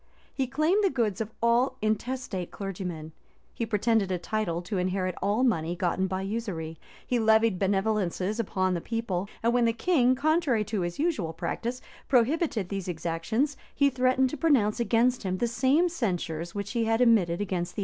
[] He claimed the goods of all intestate clergymen;[] he pretended a title to inherit all money gotten by usury: he levied benevolences upon the people; and when the king, contrary to his usual practice, prohibited these exactions, he threatened to pronounce against him the same censures which he had emitted against the emperor Frederic.